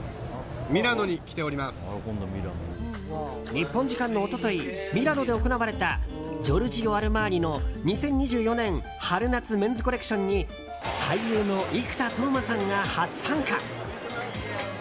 日本時間の一昨日ミラノで行われたジョルジオアルマーニの２０２４年春夏メンズコレクションに俳優の生田斗真さんが初参加！